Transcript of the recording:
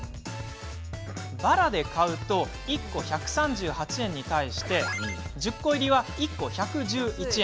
バラで買うと１個１３８円に対し１０個入りは１個１１１円。